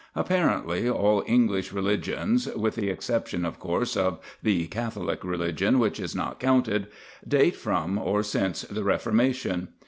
Apparently all English religions with the exception, of course, of the Catholic religion, which is not counted date from or since the Reformation.